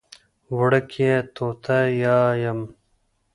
وړکیه! توته یایم.